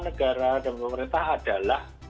negara dan pemerintah adalah